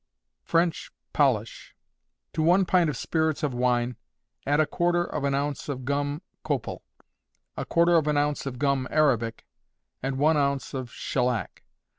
French Polish. To one pint of spirits of wine, add a quarter of an ounce of gum copal, a quarter of an ounce of gum arabic, and one ounce of shellac.